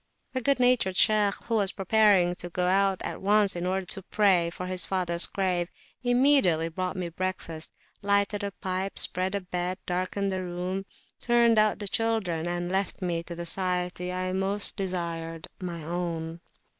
The good natured Shaykh, who was preparing to go out at once in order to pray before his father's grave, immediately brought me breakfast; lighted a pipe, spread a bed, darkened the room, turned out the children, and left me to the society I most desired my own.